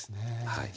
はい。